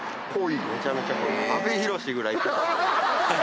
めちゃめちゃ濃い。